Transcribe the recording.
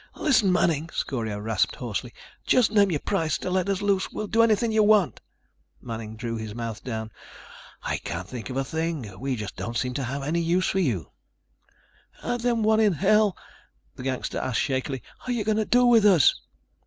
"Listen, Manning," Scorio rasped hoarsely, "just name your price to let us loose. We'll do anything you want." Manning drew his mouth down. "I can't think of a thing. We just don't seem to have any use for you." "Then what in hell," the gangster asked shakily, "are you going to do with us?"